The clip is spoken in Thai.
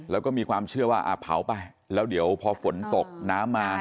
แล้วก็มีความเชื่อว่าเผาไปแล้วเดี๋ยวพอฝนตกน้ำมา